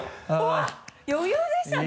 わぁ余裕でしたね。